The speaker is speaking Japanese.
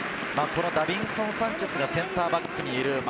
ダビンソン・サンチェスがセンターバックにいる。